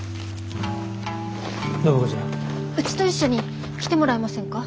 暢子ちゃん。うちと一緒に来てもらえませんか？